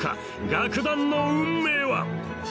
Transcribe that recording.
楽団の運命は？